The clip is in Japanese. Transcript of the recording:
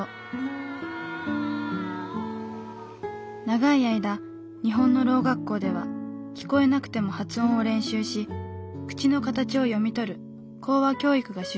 長い間日本のろう学校では聞こえなくても発音を練習し口の形を読み取る口話教育が主流でした。